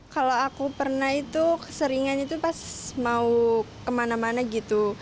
kalau aku pernah itu keseringan itu pas mau kemana mana gitu